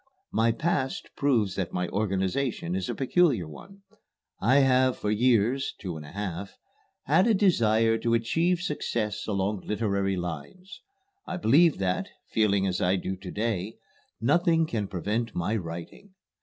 My past proves that my organization is a peculiar one. I have for years (two and a half) had a desire to achieve success along literary lines. I believe that, feeling as I do to day, nothing can prevent my writing.